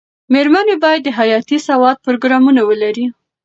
مېرمنې باید د حياتي سواد پروګرامونه ولري.